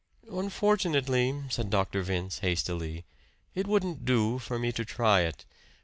"Unfortunately," said Dr. Vince hastily, "it wouldn't do for me to try it.